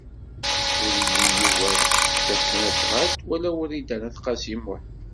Ur ili Yuba tasnasɣalt wala Wrida n At Qasi Muḥ.